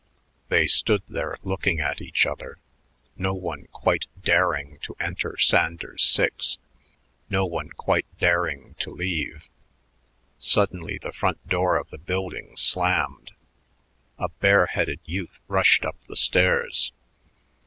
They stood there looking at each other, no one quite daring to enter Sanders 6, no one quite daring to leave. Suddenly the front door of the building slammed. A bareheaded youth rushed up the stairs.